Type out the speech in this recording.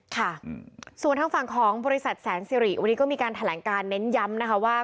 ค่ะส่วนทางฝั่งของบริษัทแสนสิริวันนี้ก็มีการแถลงการเน้นย้ำนะคะว่า